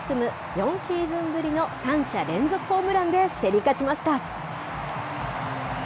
４シーズンぶりの３者連続ホームランで競り勝ちました。